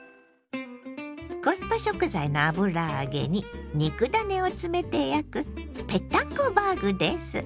コスパ食材の油揚げに肉ダネを詰めて焼くぺったんこバーグです。